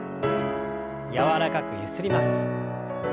柔らかくゆすります。